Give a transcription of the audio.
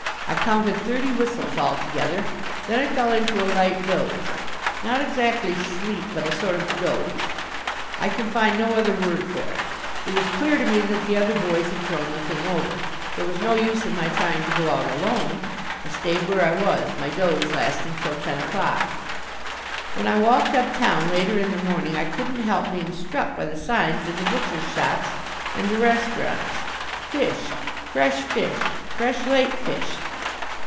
I counted thirty whistles altogether. Then I fell into a light doze not exactly sleep, but a sort of doze I can find no other word for it. It was clear to me that the other "boys" had thrown the thing over. There was no use in my trying to go out alone. I stayed where I was, my doze lasting till ten o'clock. When I walked up town later in the morning I couldn't help being struck by the signs in the butcher's shops and the restaurants, FISH, FRESH FISH, FRESH LAKE FISH.